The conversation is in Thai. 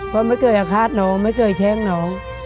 เพราะไม่เคยอาฆาตน้องไม่เคยแช่งน้อง